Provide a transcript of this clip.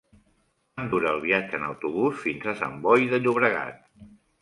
Quant dura el viatge en autobús fins a Sant Boi de Llobregat?